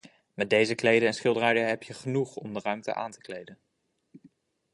Met deze kleden en schilderijen heb je genoeg om de ruimte aan te kleden.